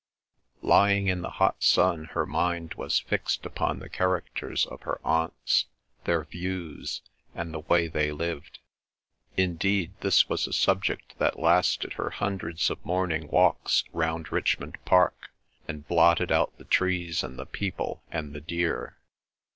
Lying in the hot sun her mind was fixed upon the characters of her aunts, their views, and the way they lived. Indeed this was a subject that lasted her hundreds of morning walks round Richmond Park, and blotted out the trees and the people and the deer.